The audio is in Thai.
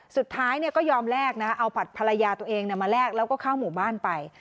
สุดท้ายก็ยอมแลกนะเอาผัดภรรยาตัวเองมาแลกแล้วก็เข้าหมู่บ้านไป